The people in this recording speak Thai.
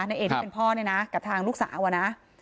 ในเอกที่เป็นพ่อเนี่ยนะกับทางลูกสาวอะนะ